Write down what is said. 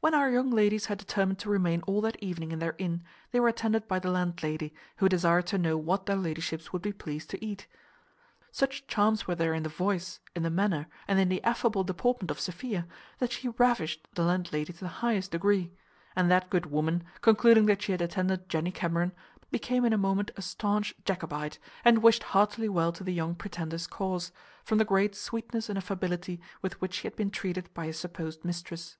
When our young ladies had determined to remain all that evening in their inn they were attended by the landlady, who desired to know what their ladyships would be pleased to eat. Such charms were there in the voice, in the manner, and in the affable deportment of Sophia, that she ravished the landlady to the highest degree; and that good woman, concluding that she had attended Jenny Cameron, became in a moment a stanch Jacobite, and wished heartily well to the young Pretender's cause, from the great sweetness and affability with which she had been treated by his supposed mistress.